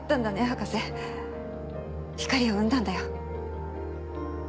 博士光を生んだんだよ